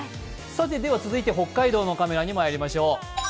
続いて北海道のカメラにまいりましょう。